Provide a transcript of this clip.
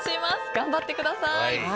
頑張ってください。